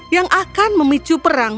yang akan memicu perang